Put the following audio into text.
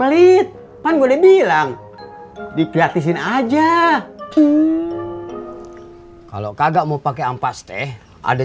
pelit pelit kan gue udah bilang digratisin aja kalau kagak mau pakai ampas teh ada